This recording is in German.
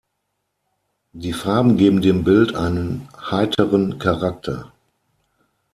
Die Farben geben dem Bild einen heiteren Charakter.